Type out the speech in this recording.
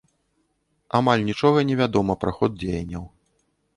Амаль нічога не вядома пра ход дзеянняў.